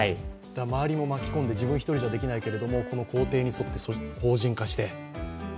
周りも巻き込んで、自分一人じゃできないけれども、この工程に沿って法人化して。